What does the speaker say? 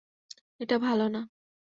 এটা ভালো না।